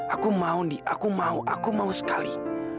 aku mau nih aku mau aku mau sekali